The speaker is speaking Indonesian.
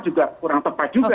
juga kurang tepat juga